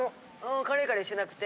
カレーカレーしてなくて。